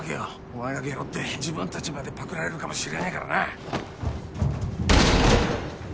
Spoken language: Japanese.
お前がゲロって自分たちまでパクられるかもしれないからな。